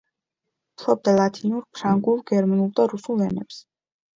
ფლობდა ლათინურ, ფრანგულ, გერმანულ და რუსულ ენებს.